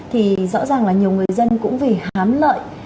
thì rõ ràng là nhiều người dân cũng vì hám lợi